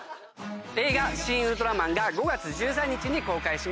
映画『シン・ウルトラマン』が５月１３日に公開します。